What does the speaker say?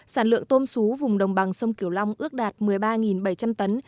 sản lượng tôm sú vùng đồng bằng sông kiểu long ước đạt một mươi ba bảy trăm linh tấn